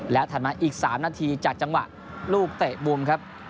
ถัดมาอีก๓นาทีจากจังหวะลูกเตะมุมครับ